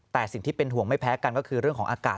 แต่สิ่งที่เป็นห่วงไม่แพ้กันก็คือเรื่องของอากาศ